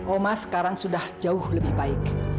oma sekarang sudah jauh lebih baik